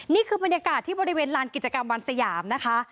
นี่คือบรรยากาศที่บริเวณลานกิจกรรมวันสยามนะคะ